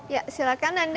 ya silahkan nanda